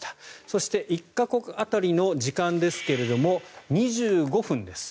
そして１か国当たりの時間ですが２５分です。